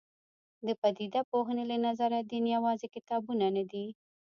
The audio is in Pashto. د پدیده پوهنې له نظره دین یوازې کتابونه نه دي.